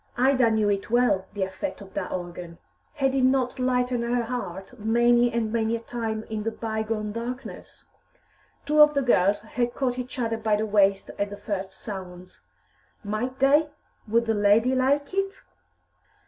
Ida knew it well, the effect of that organ; had it not lightened her heart many and many a time in the by gone darkness? Two of the girls had caught each other by the waist at the first sounds. Might they? Would "the lady" like it?